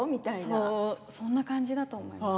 そんな感じだと思います。